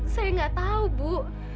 saya gak tahu bu